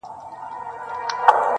سترګي د محفل درته را واړوم-